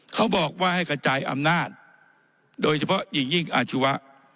เขาบอกว่าให้กระจายอำนาจโดยเฉพาะอย่างยิ่งอาชีวะ